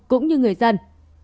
cũng như người dân